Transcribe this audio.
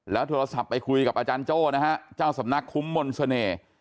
โทรศัพท์ไปคุยกับอาจารย์โจ้นะฮะเจ้าสำนักคุ้มมนต์เสน่ห์